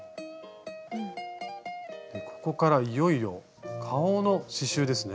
ここからいよいよ顔の刺しゅうですね。